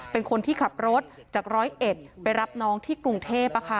เป็นคนที่ขับรถจากร้อยเอ็ดไปรับน้องที่กรุงเทพ